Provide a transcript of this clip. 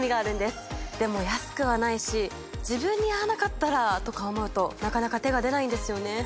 でも安くはないし自分に合わなかったらとか思うとなかなか手が出ないんですよね。